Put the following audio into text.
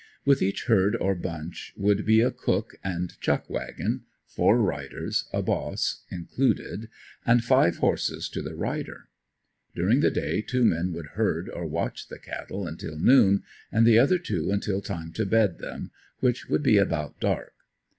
With each herd or bunch would be a cook and "chuck" wagon, four riders, a "boss" included and five horses to the rider. During the day two men would "herd" or watch the cattle until noon and the other two until time to "bed" them, which would be about dark.